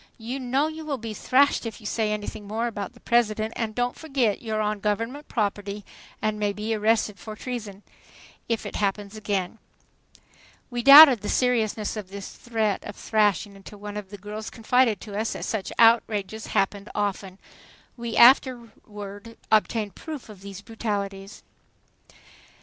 "You know you will be thrashed if you say anything more about the President; and don't forget you're on Government property and may be arrested for treason if it happens again." We doubted the seriousness of this threat of thrashing until one of the girls confided to us that such outrages happened often. We afterward obtained proof of these brutalities.